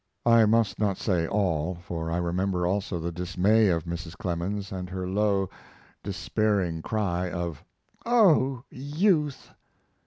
I must not say all, for I remember also the dismay of Mrs. Clemens, and her low, despairing cry of "Oh, Youth!"